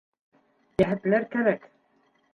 Йәһәтләр кәрәк.